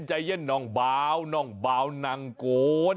โอ้ใจเย็นน้องเบาน้องเบานางกล